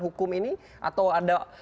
hukum ini atau ada